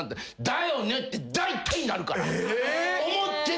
「だよね」ってだいたいなるから。